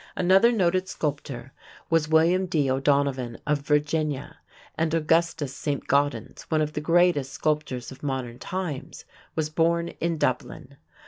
another noted sculptor was William D. O'Donovan of Virginia; and Augustus Saint Gaudens, one of the greatest sculptors of modern times, was born in Dublin.